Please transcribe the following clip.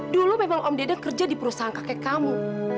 dulu memang om dede kerja di perusahaan kakek kamu